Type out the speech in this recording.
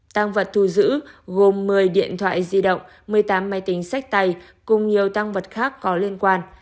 tăng vật thu giữ gồm một mươi điện thoại di động một mươi tám máy tính sách tay cùng nhiều tăng vật khác có liên quan